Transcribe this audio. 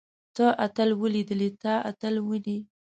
تۀ اتل وليدلې. ته اتل وينې؟